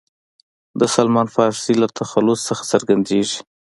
د سلمان فارسي له تخلص نه څرګندېږي.